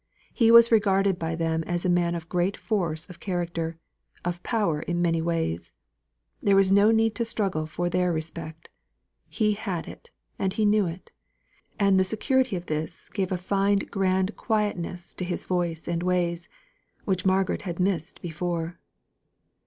He was regarded by them as a man of great force of character; of power in many ways. There was no need to struggle for their respect. He had it, and he knew it; and the security of this gave a fine grand quietness to his voice and ways, which Margaret had missed before.